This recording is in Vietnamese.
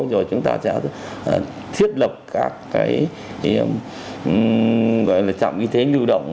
rồi chúng ta sẽ thiết lập các cái gọi là trạm y tế lưu động